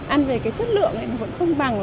ăn về cái chất lượng thì vẫn không bằng